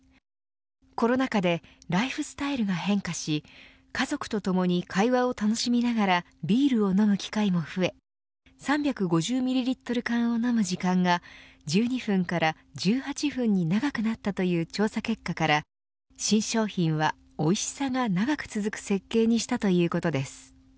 コロナ禍でライフスタイルが変化し家族と共に会話を楽しみながらビールを飲む機会も増え３５０ミリリットル缶を飲む時間が１２分から１８分に長くなったという調査結果から新商品はおいしさが長く続く設計にしたということです。